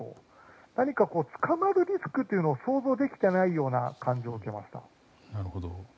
何か捕まるリスクを想像できていない感じを受けました。